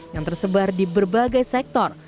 yang tersebar di berbagai sektor